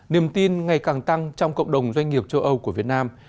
niềm tin ngày càng tăng trong cộng đồng doanh nghiệp châu âu của việt nam